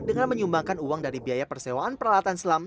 dengan menyumbangkan uang dari biaya persewaan peralatan selam